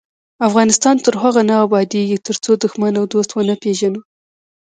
افغانستان تر هغو نه ابادیږي، ترڅو دښمن او دوست ونه پیژنو.